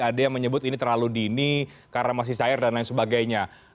ada yang menyebut ini terlalu dini karena masih cair dan lain sebagainya